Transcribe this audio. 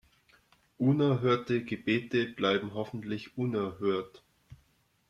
Unerhörte Gebete bleiben hoffentlich unerhört.